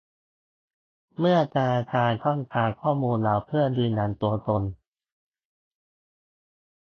เมื่อธนาคารต้องการข้อมูลเราเพื่อยืนยันตัวตน